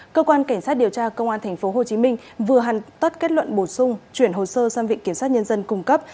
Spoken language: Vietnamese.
cơ quan cảnh sát điều tra công an tp hcm vừa hàn tất kết luận bổ sung chuyển hồ sơ sang vị kiểm sát nhân dân cung cấp